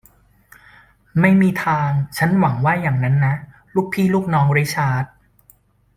ไม่มีทาง ฉันหวังว่าอย่างนั้นนะ ลูกพี่ลูกน้องริชาร์ด